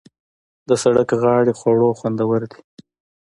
د سړک غاړې خواړه خوندور دي.